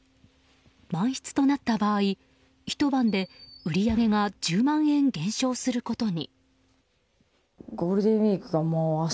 満室となった場合ひと晩で売り上げが１０万円、減少することに。